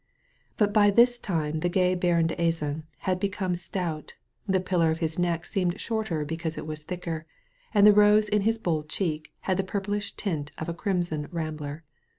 But by this time the gay Baron d'Azan had become stout, the pillar of his neck seemed shorter because it was thicker, and the rose in his bold cheek had the purplish tint of a crimson rambler.